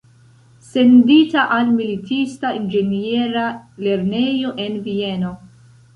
Sendita al militista inĝeniera lernejo en Vieno.